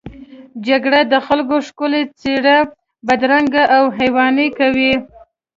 جګړه د خلکو ښکلې څېرې بدرنګوي او حیواني کوي